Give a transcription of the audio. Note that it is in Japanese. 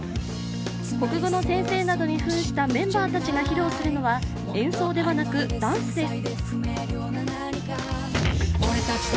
国語の先生などにふんしたメンバーたちが披露するのは演奏ではなくダンスです。